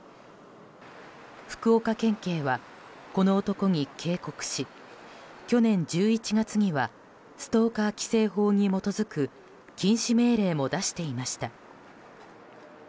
福岡県警はこの男に警告し去年１１月にはストーカー規制法に基づく禁止命令も出していました。